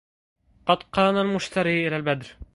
قد قرن المشتري إلى البدر